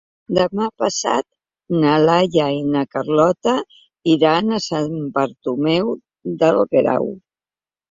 Demà passat na Laia i na Carlota iran a Sant Bartomeu del Grau.